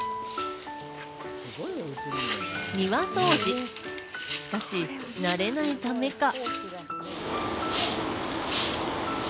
庭掃除、しかし慣れないためか。